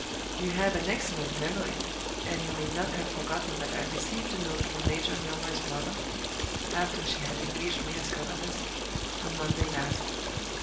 You have an excellent memory, and you may not have forgotten that I received a note from Major Milroy's mother (after she had engaged me as governess) on Monday last.